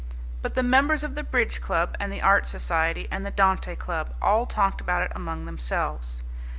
But the members of the Bridge Club and the Art Society and the Dante Club all talked about it among themselves.